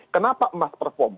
kenapa emas perform